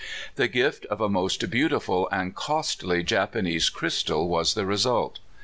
The gift of a most beautiful and costly Japanese crystal was the result.